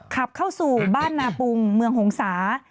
ขับเข้าสู่บ้านนาปุงเมืองหงษา